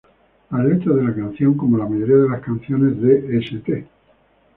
La letra de la canción, como la mayoría de las canciones de "St.